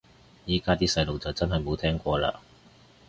依家啲細路就真係冇聽過嘞